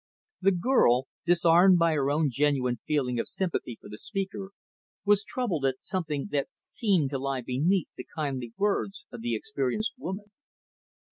The girl disarmed by her own genuine feeling of sympathy for the speaker was troubled at something that seemed to lie beneath the kindly words of the experienced woman.